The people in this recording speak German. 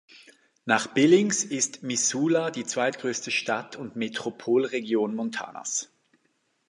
Nach Billings ist Missoula die zweitgrößte Stadt und Metropolregion Montanas.